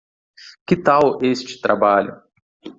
que tal este trabalho?